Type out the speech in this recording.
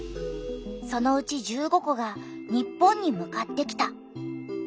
そのうち１５個が日本に向かってきた。